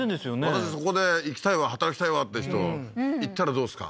私そこで行きたいわ働きたいわって人行ったらどうですか？